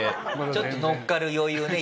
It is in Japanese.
ちょっと乗っかる余裕ね。